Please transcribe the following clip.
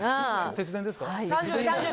節電ですか？